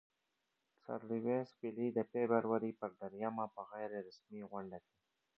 سر لیویس پیلي د فبرورۍ پر دریمه په غیر رسمي غونډه کې.